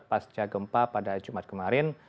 pasca gempa pada jumat kemarin